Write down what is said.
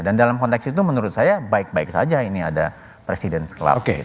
dan dalam konteks itu menurut saya baik baik saja ini ada dan dalam konteks itu menurut saya baik baik saja ini ada